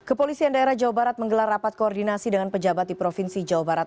kepolisian daerah jawa barat menggelar rapat koordinasi dengan pejabat di provinsi jawa barat